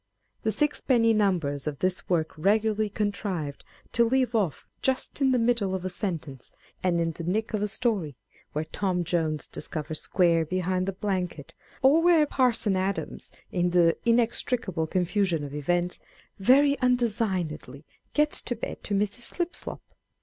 The sixpenny numbers of this work regularly contrived to leave off just in the middle of a sentence, and in the nick of a story, where Tom Jones discovers Square behind the blanket ; or where Parson Adams, in the inextricable confusion of events, very undesiguedly gets to bed to Mrs. Slip slop.